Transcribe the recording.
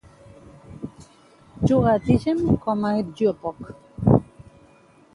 Juga a Tygem com a "gjopok".